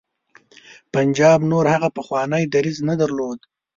پنجاب نور هغه پخوانی دریځ نه درلود.